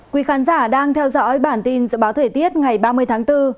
quý khán giả đang theo dõi bản tin dự báo thời tiết ngày ba mươi tháng bốn